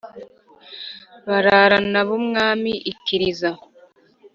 bararana b'umwami i kiriza,